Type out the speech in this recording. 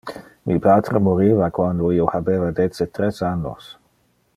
Mi patre moriva quando io habeva dece-tres annos.